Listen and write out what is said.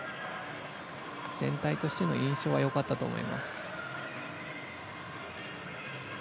全体としての印象は良かったと思います。